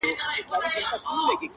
د جنګونو د شیطان قصر به وران سي-